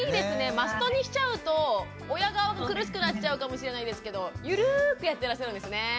マストにしちゃうと親側が苦しくなっちゃうかもしれないですけどゆるくやってらっしゃるんですね。